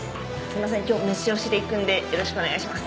今日メシ押しでいくんでよろしくお願いします。